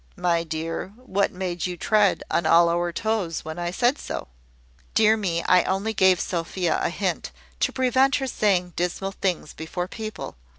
"My dear, what made you tread on all our toes when I said so?" "Dear me, I only gave Sophia a hint, to prevent her saying dismal things before people.